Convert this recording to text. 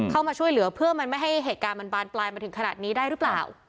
เข้ามาช่วยเหลือเพื่อมันไม่ให้เหตุการณ์มันบานปลายมาถึงขนาดนี้ได้หรือเปล่า